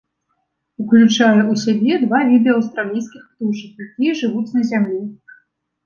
Уключае ў сябе два віды аўстралійскіх птушак, якія жывуць на зямлі.